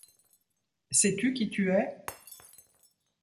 Sais-tu qui tu es ?